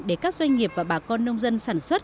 để các doanh nghiệp và bà con nông dân sản xuất